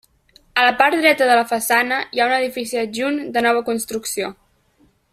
A la part dreta de la façana, hi ha un edifici adjunt de nova construcció.